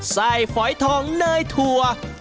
๑ไส้ฝอยทองเนยถั่ว